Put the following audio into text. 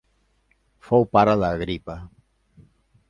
Fou pare d'Agripa.